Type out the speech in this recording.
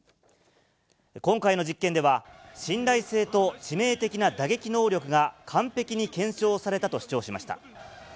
今回の実験では、信頼性と致命的な打撃能力が、完璧に検証されたと主張しました。